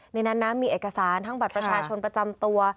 ในนั้นนะมีเอกสารทั้งบัตรประชาชนประจำตัว